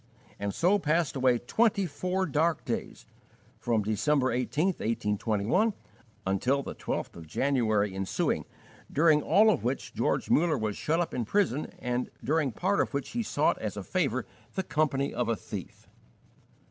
And so passed away twenty four dark days, from December 18, 1821, until the 12th of January ensuing, during all of which George Muller was shut up in prison and during part of which he sought as a favour the company of a thief.